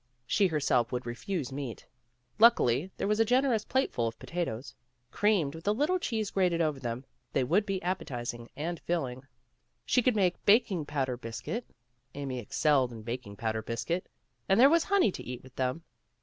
She herself would refuse meat. Luckily there was a generous plateful of potatoes. Creamed and with a little cheese grated over them, they would be appetizing and filling. She could WHAT'S IN A NAME? 13 make baking powder biscuit, Amy excelled in baking powder biscuit and there was honey to eat with them.